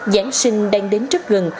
giáng sinh đang đến trước gần